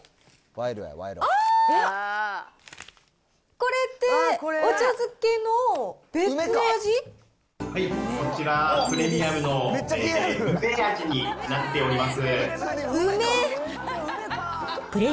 これって、お茶漬けのこちら、プレミアムの梅味になっております。